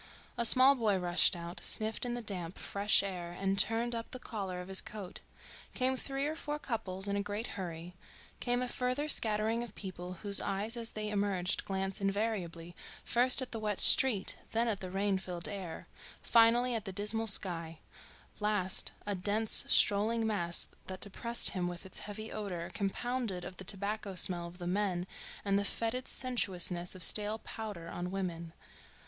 A small boy rushed out, sniffed in the damp, fresh air and turned up the collar of his coat; came three or four couples in a great hurry; came a further scattering of people whose eyes as they emerged glanced invariably, first at the wet street, then at the rain filled air, finally at the dismal sky; last a dense, strolling mass that depressed him with its heavy odor compounded of the tobacco smell of the men and the fetid sensuousness of stale powder on women.